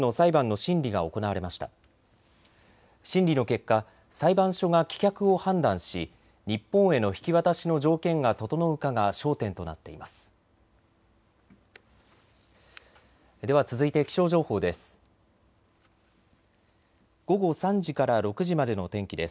審理の結果、裁判所が棄却を判断し日本への引き渡しの条件が整うかが焦点となっています。